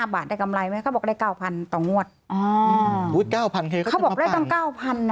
บาทได้กำไรไหมก็บอกได้๙พันต่องวด๙พันเขาบอกได้๙พัน